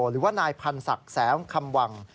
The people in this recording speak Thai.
หรือว่านายพันธ์ศักดิ์แสงคำวัง